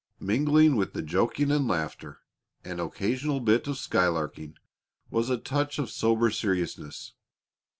Mingling with the joking and laughter and occasional bit of skylarking was a touch of sober seriousness.